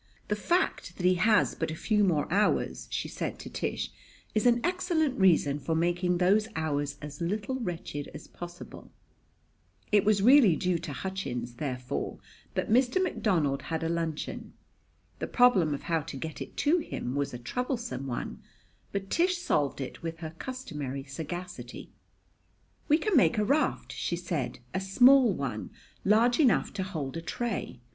"The fact that he has but a few more hours," she said to Tish, "is an excellent reason for making those hours as little wretched as possible." It was really due to Hutchins, therefore, that Mr. McDonald had a luncheon. The problem of how to get it to him was a troublesome one, but Tish solved it with her customary sagacity. "We can make a raft," she said, "a small one, large enough to hold a tray.